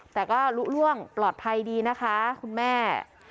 แต่ก็ลุล่วงปลอดภัยดีนะคะคุณแม่